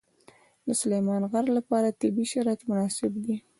د سلیمان غر لپاره طبیعي شرایط مناسب دي.